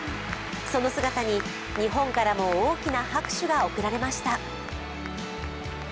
その姿に日本からも大きな拍手が送られました。